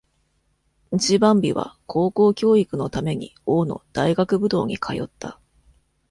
ンシバンビは高校教育のために王の大学武道に通った。